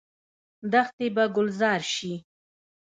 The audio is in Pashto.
دښتې به ګلزار شي؟